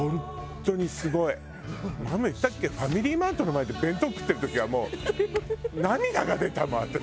ファミリーマートの前で弁当食ってる時はもう涙が出たもん私。